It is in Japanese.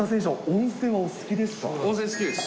温泉好きです。